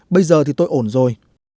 bây giờ thì tôi ổn rồi